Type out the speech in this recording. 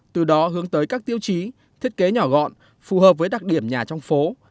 từ đó hướng tới các tiêu chí thiết kế nhỏ gọn phù hợp với đặc điểm nhà trong phố